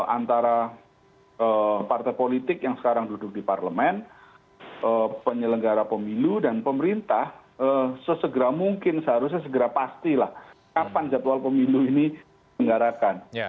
antara partai politik yang sekarang duduk di parlemen penyelenggara pemilu dan pemerintah sesegera mungkin seharusnya segera pastilah kapan jadwal pemilu ini menggarapkan